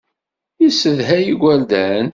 Yessedhay igerdan.